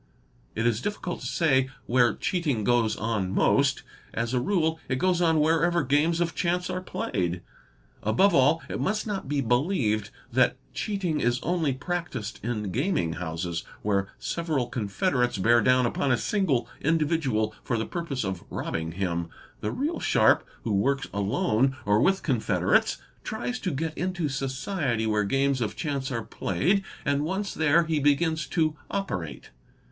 It is difficult to say where cheating goes on most; as a rule it goes on © where ever games of chance are played. Above all it must not be believed — that cheating is only practised in gaming houses where several confede rates bear down upon a single individual for the purpose of robbing him, the real sharp who works alone or with confederates tries to get into society where games of chance are played, and once there he begins to operate.